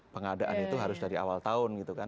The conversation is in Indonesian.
pengadaan itu harus dari awal tahun gitu kan